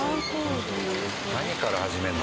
何から始めるの？